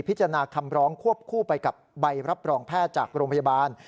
พิจารณาคำร้องควบคู่ไปกับใบรับรองแพทย์จากโรงพยาบาล